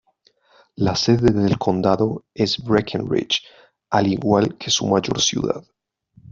La sede del condado es Breckenridge, al igual que su mayor ciudad.